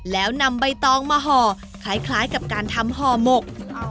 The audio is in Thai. แล้วนำใบตองมาห่อคล้ายกับการทำห่อหมก